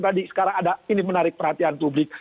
tadi sekarang ada ini menarik perhatian publik